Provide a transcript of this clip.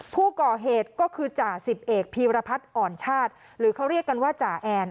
ผู้ก่อเหตุก็คือจ่าสิบเอกพีรพัฒน์อ่อนชาติหรือเขาเรียกกันว่าจ่าแอน